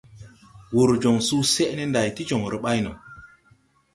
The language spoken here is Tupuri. Wùr jɔŋ susɛʼ ne nday ti jɔŋre ɓay no.